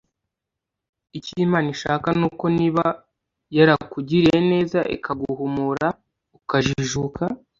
Icyo Imana ishaka ni uko niba yarakugiriye neza ikaguhumura ukajijuka